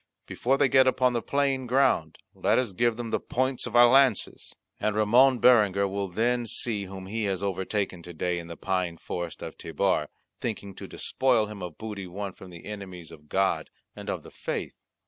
Before they get upon the plain ground let us give them the points of our lances; and Ramon Berenguer will then see whom he has overtaken to day in the pine forest of Tebar, thinking to despoil him of booty won from the enemies of God and of the faith."